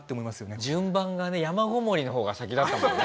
順番がね山籠もりの方が先だったもんね。